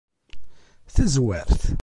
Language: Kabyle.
Tazwart.